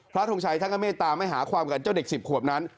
พระทรงชัยท่านกระเม้ตามให้หาความการเจ้าเด็ก๑๐ขวบนั้น